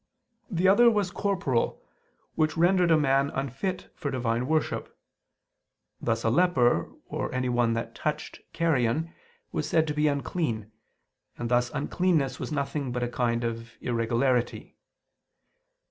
The other was corporal, which rendered a man unfit for divine worship; thus a leper, or anyone that touched carrion, was said to be unclean: and thus uncleanness was nothing but a kind of irregularity.